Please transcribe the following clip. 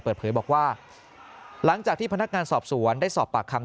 เปิดเผยบอกว่าหลังจากที่พนักงานสอบสวนได้สอบปากคำ